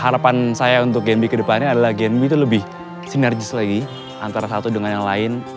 harapan saya untuk genbi kedepannya adalah genb itu lebih sinergis lagi antara satu dengan yang lain